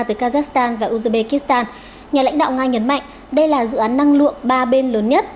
tới kazakhstan và uzbekistan nhà lãnh đạo nga nhấn mạnh đây là dự án năng lượng ba bên lớn nhất